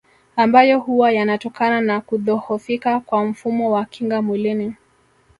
Ambayo huwa yanatokana na kudhohofika kwa mfumo wa kinga mwilini